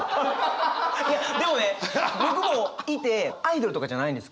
いやでもね僕もいてアイドルとかじゃないんですけど